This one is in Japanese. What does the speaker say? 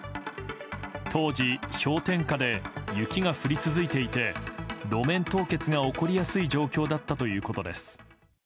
当時、氷点下で雪が降り続いていて路面凍結が起こりやすい状況だったということです。